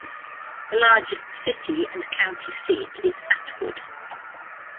The largest city and county seat is Atwood.